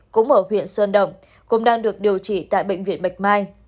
cũng ở huyện sơn động cũng đang được điều trị tại bệnh viện bạch mai